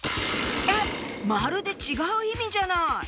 えっ⁉まるで違う意味じゃない！